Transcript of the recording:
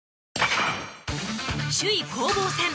首位攻防戦。